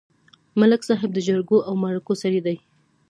ملک صاحب د جرګو او مرکو سړی دی.